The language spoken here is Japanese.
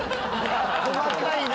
細かいな！